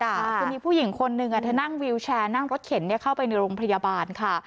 คือมีผู้หญิงคนหนึ่งเธอนั่งวิวแชร์นั่งรถเข็นเข้าไปในโรงพยาบาลค่ะ